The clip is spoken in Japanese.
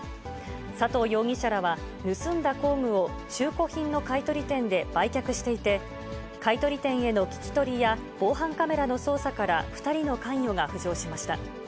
佐藤容疑者らは盗んだ工具を中古品の買い取り店で売却していて、買い取り店への聞き取りや防犯カメラの捜査から、２人の関与が浮上しました。